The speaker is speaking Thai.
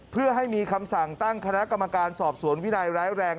เพื่อให้มีคำสั่งตั้งคณะกรรมการสอบสวนวินัยร้ายแรง